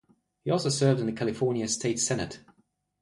He also served in the California State Senate.